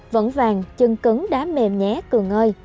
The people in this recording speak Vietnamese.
vẫn vàng chân cứng đá mềm nhé cường ơi